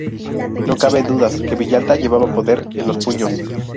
No cabe dudas que Villalta llevaba poder en los puños.